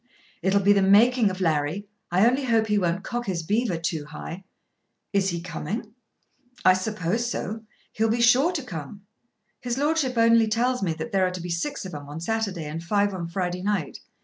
"It'll be the making of Larry. I only hope he won't cock his beaver too high." "Is he coming?" "I suppose so. He'll be sure to come. His Lordship only tells me that there are to be six of 'em on Saturday and five on Friday night.